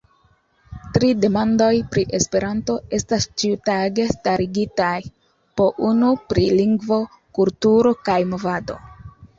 Tri demandoj pri Esperanto estas ĉiutage starigitaj: po unu pri lingvo, kulturo kaj movado.